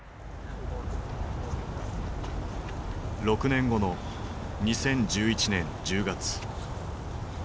６年後の２０１１年１０月。